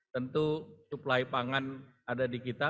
tentu suplai pangan ada di kita